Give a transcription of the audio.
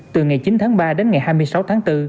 từ ngày chín tháng ba đến ngày hai mươi sáu tháng bốn